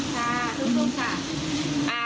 ซูซูค่ะ